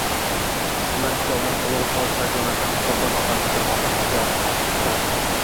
Ular ikkovlon — Ulug‘ Ustoz va Jonatan mutlaqo notanish qirg‘oqda turishardi.